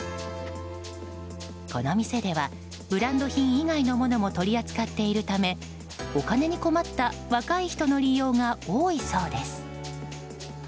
この店ではブランド品以外のものも取り扱っているためお金に困った若い人の利用が多いそうです。